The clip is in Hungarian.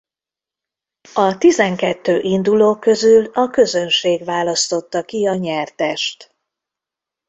A tizenkettő induló közül a közönség választotta ki a nyertest.